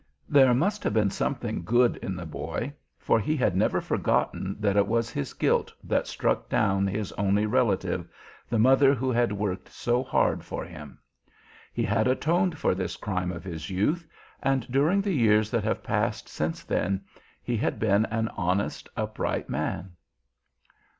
There must have been something good in the boy, for he had never forgotten that it was his guilt that struck down his only relative, the mother who had worked so hard for him. He had atoned for this crime of his youth, and during the years that have passed since then, he had been an honest, upright man."